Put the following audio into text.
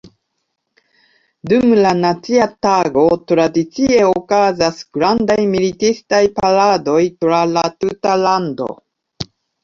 Dum la nacia tago tradicie okazas grandaj militistaj paradoj tra la tuta lando.